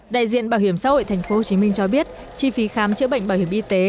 đại diện bảo hiểm xã hội tp hcm cho biết chi phí khám chữa bệnh bảo hiểm y tế